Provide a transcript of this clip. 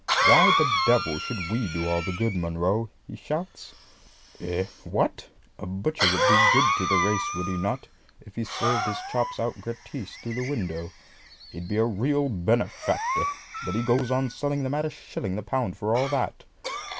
"Why the devil should we do all the good, Munro?" he shouts. "Eh, what? A butcher would do good to the race, would he not, if he served his chops out gratis through the window? He'd be a real benefactor; but he goes on selling them at a shilling the pound for all that.